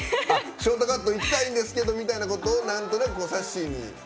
ショートカットいきたいんですけどみたいなことをなんとなく、さっしーに？